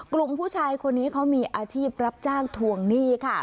กลุ่มผู้ชายคนนี้เขามีอาชีพรับจ้างทวงหนี้ค่ะ